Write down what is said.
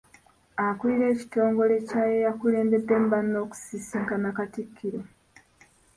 Akulira ekitongole kya y'eyakulembeddemu banne okusisinkana Katikkiro